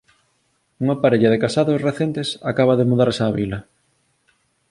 Unha parella de casados recentes acaba de mudarse á vila